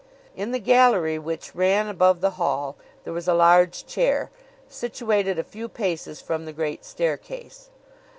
In the gallery which ran above the hall there was a large chair, situated a few paces from the great staircase.